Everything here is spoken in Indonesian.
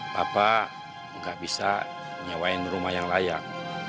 papa gak bisa nyawain rumah yang layak